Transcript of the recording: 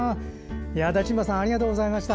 駄賃場さんありがとうございました。